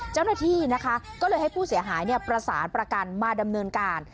เจ้าหน้าที่นะคะก็เลยให้ผู้เสียหายประสานประกันมาดำเนินการ